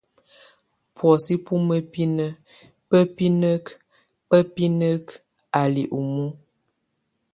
Buɔ́sɛ bo muebinek, bá binekek, bá binekek, a li umue.